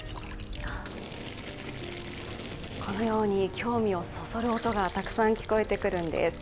このように興味をそそる音がたくさん聞こえてくるんです。